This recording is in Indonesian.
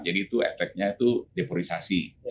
jadi itu efeknya itu deporisasi